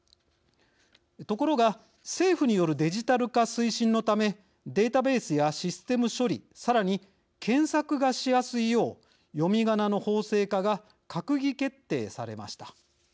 ところが、政府によるデジタル化推進のためデータベースやシステム処理さらに検索がしやすいよう読みがなの法制化が閣議決定されました。